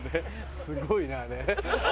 すごいなあれ。